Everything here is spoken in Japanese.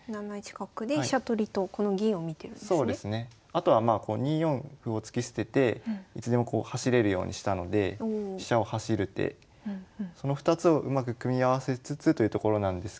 あとはまあ２四歩を突き捨てていつでもこう走れるようにしたので飛車を走る手その２つをうまく組み合わせつつというところなんですけど。